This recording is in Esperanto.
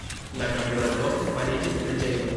La kapelo poste fariĝis preĝejo.